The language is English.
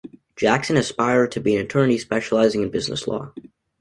Jackson aspired to be an attorney specializing in business law.